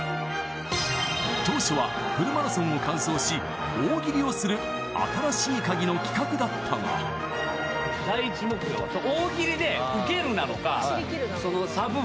当初はフルマラソンを完走し大喜利をする新しいカギの企画だったが練習初日。